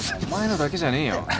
お前のだけじゃねえよ。